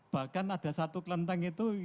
bahkan ada satu kelenteng itu